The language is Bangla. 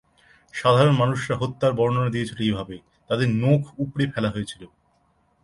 সাধারণ মানুষরা হত্যার বর্ণনা দিয়েছিল এভাবে, তাদের নখ উপড়ে ফেলা হয়েছিল।